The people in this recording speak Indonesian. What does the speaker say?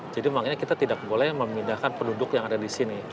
jadi makanya kita tidak boleh memindahkan penduduk yang ada di sini